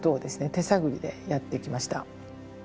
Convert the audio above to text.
手探りでやってきました。